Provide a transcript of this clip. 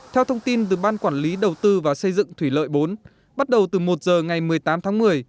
theo thông tin từ ban quản lý đầu tư và xây dựng thủy lợi bốn bắt đầu từ một giờ ngày một mươi tám tháng một mươi